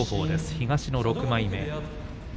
東の６枚目。